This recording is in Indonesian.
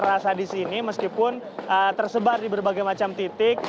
terasa di sini meskipun tersebar di berbagai macam titik